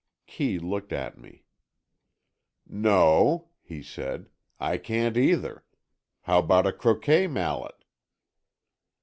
Kee looked at me. "No," he said, "I can't either. How about a croquet mallet?"